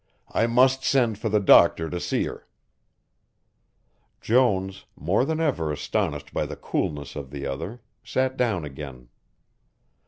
"I must send for the doctor to see her." Jones, more than ever astonished by the coolness of the other, sat down again.